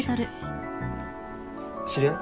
知り合い？